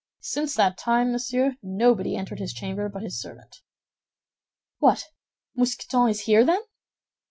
Since that time, monsieur, nobody entered his chamber but his servant." "What! Mousqueton is here, then?"